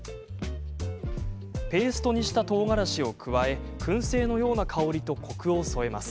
ペーストにしたとうがらしを加えくん製のような香りとコクを添えます。